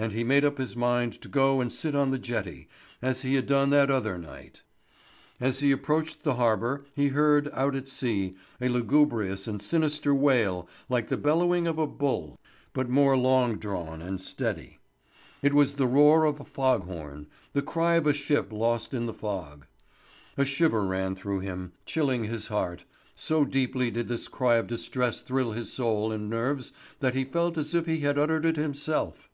And he made up his mind to go and sit on the jetty as he had done that other night. As he approached the harbour he heard, out at sea, a lugubrious and sinister wail like the bellowing of a bull, but more long drawn and steady. It was the roar of a fog horn, the cry of a ship lost in the fog. A shiver ran through him, chilling his heart; so deeply did this cry of distress thrill his soul and nerves that he felt as if he had uttered it himself.